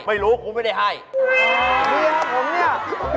อ๋อพี่ครับผมนี่